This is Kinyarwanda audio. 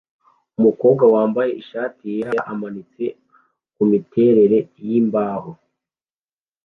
Umukobwa wambaye ishati yera amanitse kumiterere yimbaho